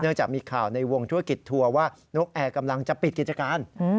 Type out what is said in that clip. จากมีข่าวในวงธุรกิจทัวร์ว่านกแอร์กำลังจะปิดกิจการ